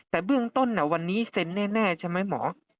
แต่เบื้องต้นวันนี้เซ็นแน่ใช่ไหมหมอ